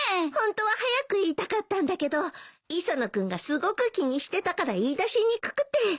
ホントは早く言いたかったんだけど磯野君がすごく気にしてたから言い出しにくくて。